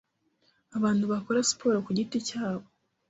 Abantu bakora siporo ku giti cyabo